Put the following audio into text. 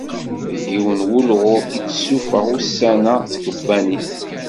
Deg yiwen n wulɣu i d-tessufeɣ ussan-a tkebbanit.